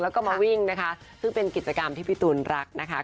แล้วก็มาวิ่งนะคะซึ่งเป็นกิจกรรมที่พี่ตูนรักนะคะ